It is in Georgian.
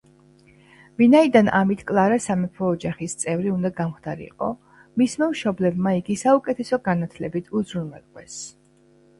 ვინაიდან ამით კლარა სამეფო ოჯახის წევრი უნდა გამხდარიყო, მისმა მშობლებმა იგი საუკეთესო განათლებით უზრუნველყვეს.